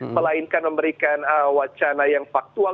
melainkan memberikan wacana yang faktual